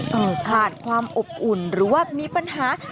แผ่นความอบอุ่นหรือว่ามีปัญหา